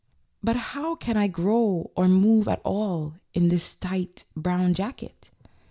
"But how can I grow or move at all in this tight, brown jacket?"